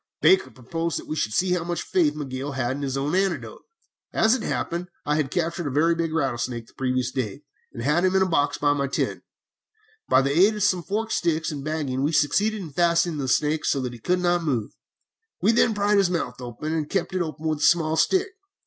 "Baker proposed that we should see how much faith Miguel had in his own antidote. As it happened, I had captured a very big rattlesnake the day previous, and had him in a box in my tent. By the aid of some forked sticks and bagging we succeeded in fastening the snake so that he could not move. We then pried his mouth open, and kept it open with a small stick.